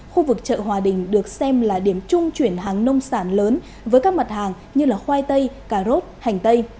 khu vực chợ hòa bình được xem là điểm chung chuyển hàng nông sản lớn với các mặt hàng như khoai tây cà rốt hành tây